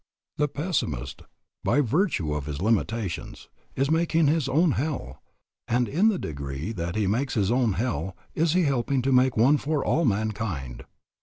The pessimist, by virtue of his limitations, is making his own hell, and in the degree that he makes his own hell is he helping to make one for all mankind.